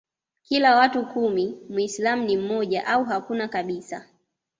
kila watu kumi Mwislamu ni mmoja au hakuna kabisa